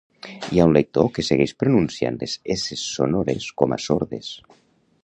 Hi ha un lector que segueix pronunciant les esses sonores com a sordes